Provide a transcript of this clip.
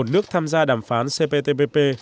một mươi một nước tham gia đàm phán cp tpp